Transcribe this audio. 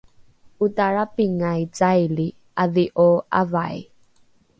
otarapingai caili ’adhi’o ’avai?